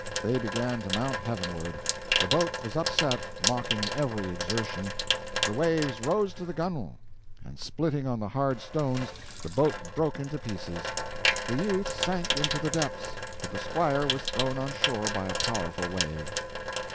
They began to mount heavenward; the boat was upset, mocking every exertion; the waves rose to the gunwale, and splitting on the hard stones, the Boat broke into Pieces. The youth sank into the depths, but the squire was thrown on shore by a powerful wave."